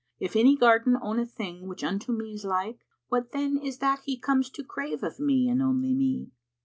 If any garden own a thing which unto me is like, * What then is that he comes to crave of me and only me?"'